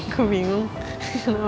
sebuah peluk yang tak mengenal waktu